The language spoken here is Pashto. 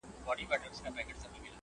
کښته راغی ورته کښېنستی پر مځکه!!